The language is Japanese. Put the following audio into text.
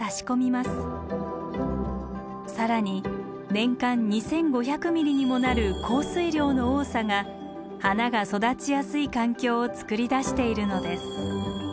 更に年間２，５００ｍｍにもなる降水量の多さが花が育ちやすい環境をつくり出しているのです。